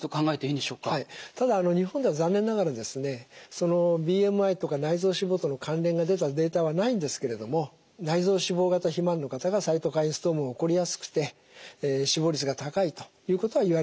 そのＢＭＩとか内臓脂肪との関連が出たデータはないんですけれども内臓脂肪型肥満の方がサイトカインストームが起こりやすくて死亡率が高いということは言われているわけですね。